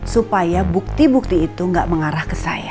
supaya bukti bukti itu gak mengarah ke saya